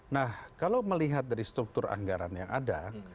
nah kalau melihat dari struktur anggaran yang ada